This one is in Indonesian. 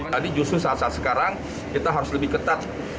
jadi justru saat saat sekarang kita harus lebih ketat